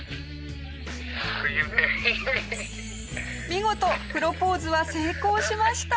見事プロポーズは成功しました！